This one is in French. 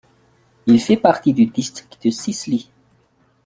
Il fait partie du district de Şişli.